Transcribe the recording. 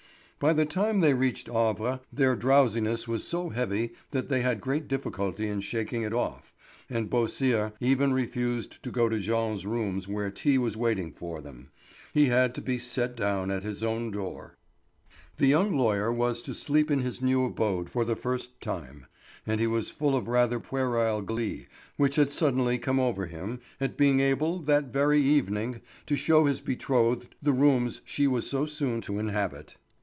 By the time they reached Havre their drowsiness was so heavy that they had great difficulty in shaking it off, and Beausire even refused to go to Jean's rooms where tea was waiting for them. He had to be set down at his own door. The young lawyer was to sleep in his new abode for the first time; and he was full of rather puerile glee which had suddenly come over him, at being able, that very evening, to show his betrothed the rooms she was so soon to inhabit.